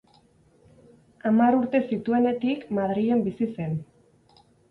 Hamar urte zituenetik Madrilen bizi zen.